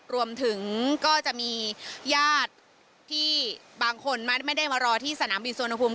รวมถึงก็จะมีญาติที่บางคนไม่ได้มารอที่สนามบินสุวรรณภูมิ